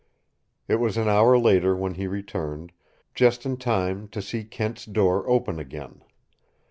It was an hour later when he returned, just in time to see Kent's door open again.